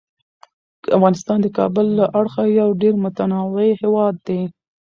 افغانستان د کابل له اړخه یو ډیر متنوع هیواد دی.